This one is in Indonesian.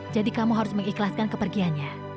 jadi kamu harus mengikhlaskan kepergiannya